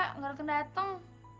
nggak rupanya dateng